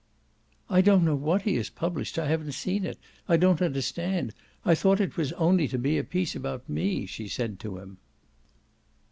"I don't know what he has published I haven't seen it I don't understand. I thought it was only to be a piece about me," she said to him.